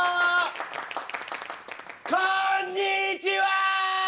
こんにちは！